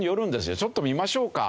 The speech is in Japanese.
ちょっと見ましょうか。